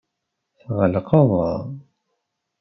Tɣelqeḍ.